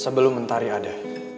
sebelum mentari ada